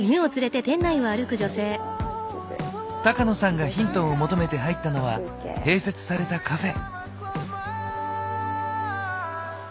高野さんがヒントを求めて入ったのは併設されたカフェ。